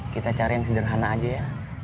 kita cari yang sederhana aja ya